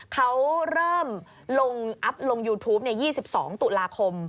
เขาเริ่มลงอัพลงยูทูป๒๒ตุลาคม